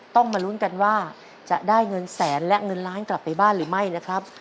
ต้องมาลุ้นกันว่าจะได้เงินแสนและเงินล้านกลับไปบ้านหรือไม่นะครับ